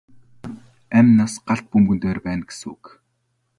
Амь нас галт бөмбөгөн дээр байна гэсэн үг.